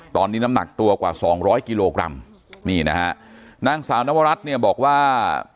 ตอนนี้น้ำหนักตัวกว่าสองร้อยกิโลกรัมนี่นะฮะนางสาวนวรัฐเนี่ยบอกว่า